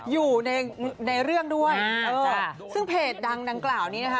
อยู่ในในเรื่องด้วยเออซึ่งเพจดังดังกล่าวนี้นะคะ